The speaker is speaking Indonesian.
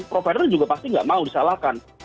provider juga pasti nggak mau disalahkan